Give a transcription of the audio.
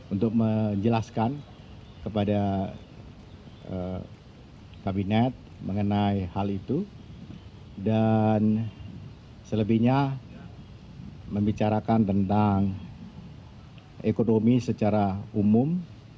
untuk menjelaskan kepada kabinet mengenai hal itu dan selebihnya membicarakan tentang ekonomi secara umum